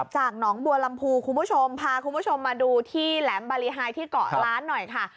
จากหนองบัวลำพูคุณผู้ชมพาคุณผู้ชมมาดูที่แหลมบารีไฮที่เกาะล้านหน่อยค่ะ